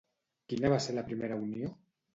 Quina va ser la primera unió?